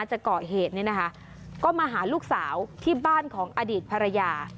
จะเกาะเหตุเนี่ยนะคะก็มาหาลูกสาวที่บ้านของอดีตภรรยา